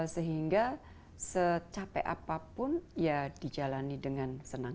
sehingga secapek apapun ya dijalani dengan senang